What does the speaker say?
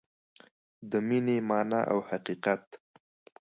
د مینې مانا او حقیقت